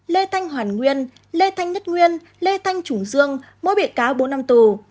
lê thanh hoàn nguyên lê thanh nhất nguyên lê thanh trùng dương mỗi bị cáo bốn năm tù